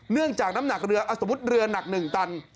เนื่องจากน้ำหนักเรือสมมุติเรือหนัก๑ตัน